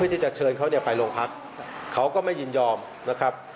วิธีจัดเชิญเขาไปโรงพักเขาก็ไม่ยินยอมนะครับ